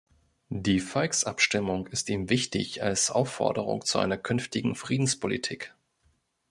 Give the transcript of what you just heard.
Die Volksabstimmung ist ihm wichtig als Aufforderung zu einer künftigen Friedenspolitik.